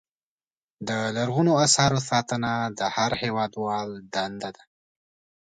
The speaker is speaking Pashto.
لرغونو اثارو ساتنه د هر هېوادوال دنده ده.